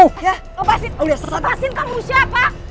lepasin lepasin kamu siapa